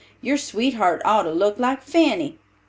Your sweetheart ought to look like Fanny.